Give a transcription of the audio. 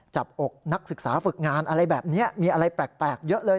จับอกนักศึกษาฝึกงานอะไรแบบนี้มีอะไรแปลกเยอะเลย